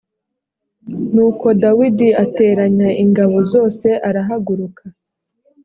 nuko dawidi ateranya ingabo zose arahaguruka